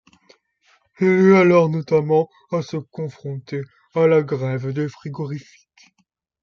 Il eut alors notamment à se confronter à la grève des frigorifiques.